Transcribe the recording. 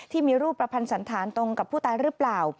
ที่มีรูปประพันธ์สันธารตรงกับผู้ตายหรือเปล่า